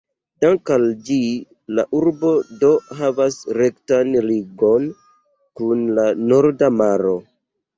Dank'al ĝi la urbo do havas rektan ligon kun la Norda Maro.